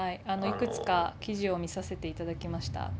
いくつか記事を見させていただきました。